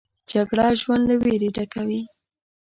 جګړه ژوند له ویرې ډکوي